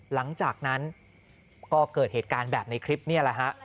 หลังจากนั้นก็เกิดเหตุการณ์แบบในคลิปนี่แหละฮะ